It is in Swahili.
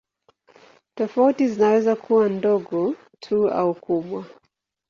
Tofauti zinaweza kuwa ndogo tu au kubwa.